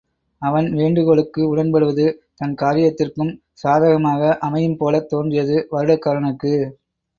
அவன் வேண்டுகோளுக்கு உடன்படுவது தன் காரியத்திற்கும் சாதகமாக அமையும்போலத் தோன்றியது வருடகாரனுக்கு.